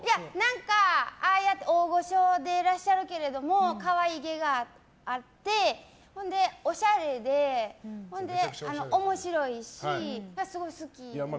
ああやって大御所でいらっしゃるけど可愛げがあってほんで、おしゃれでほんで、面白いしすごい好きで。